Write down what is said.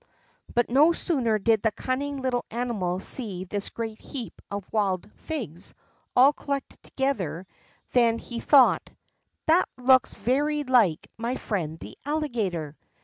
But no sooner did the cunning little animal see this great heap of wild figs all collected together than he thought: "That looks very like my friend the Alligator."